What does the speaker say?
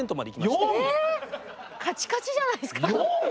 えっカチカチじゃないですか！